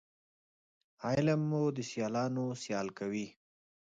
علم مو د سیالانو سیال کوي